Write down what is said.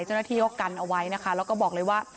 เจ้าหน้าที่ก็กันเอาไว้นะคะแล้วก็บอกเลยว่า